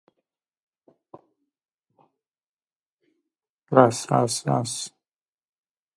Всестороннее участие государств в этом процессе будет содействовать сохранению ими доверия к его результатам.